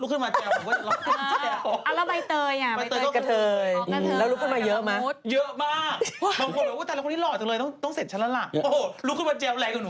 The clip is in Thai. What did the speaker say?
รู้หรอวันต่างแล้ววันสามเฮ้ย